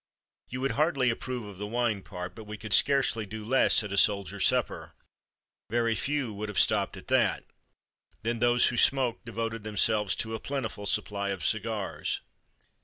You would hardly approve of the wine part, but we could scarcely do less at a soldiers' supper. Very few would have stopped at that. Then those who smoked devoted themselves to a plentiful supply of cigars.